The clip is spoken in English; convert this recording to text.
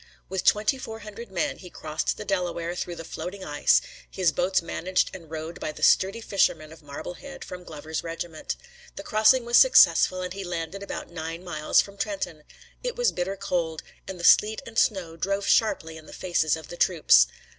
With twenty four hundred men he crossed the Delaware through the floating ice, his boats managed and rowed by the sturdy fishermen of Marblehead from Glover's regiment. The crossing was successful, and he landed about nine miles from Trenton. It was bitter cold, and the sleet and snow drove sharply in the faces of the troops.